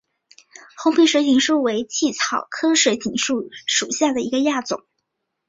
红皮水锦树为茜草科水锦树属下的一个亚种。